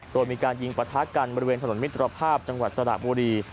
โดยมีการยิงประทะกันบริเวณถนนมิตรภาพจังหวัดสระบุรี